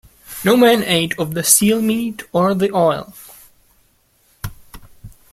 No man ate of the seal meat or the oil.